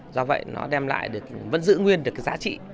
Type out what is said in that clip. do vậy nó đem lại vẫn giữ nguyên được giá trị